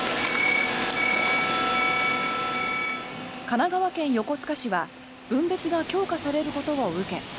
神奈川県横須賀市は分別が強化されることを受け